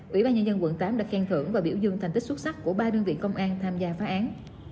ủy ban nhân dân quận tám đã khen thưởng và biểu dương thành tích xuất sắc của ba đơn vị công an tham gia phá án